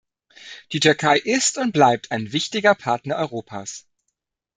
Die Türkei ist und bleibt ein wichtiger Partner Europas.